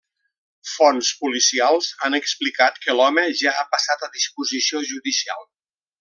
Fonts policials han explicat que l’home ja ha passat a disposició judicial.